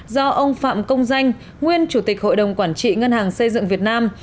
do ông phạm công danh nguyên chủ tịch hội đồng quản trị ngân hàng xây dựng việt nam